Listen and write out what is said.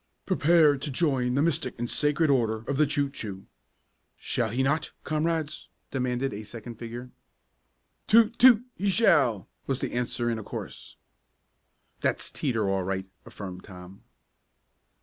"Prepare to join the Mystic and Sacred Order of the Choo Choo! Shall he not, comrades?" demanded a second figure. "Toot! Toot! He shall!" was the answer in a chorus. "That's Teeter all right," affirmed Tom.